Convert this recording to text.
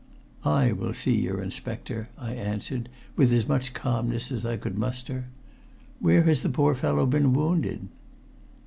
"I will see your inspector," I answered with as much calmness as I could muster. "Where has the poor fellow been wounded?"